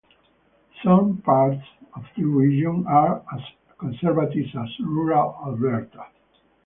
Some parts of this region are as conservative as rural Alberta.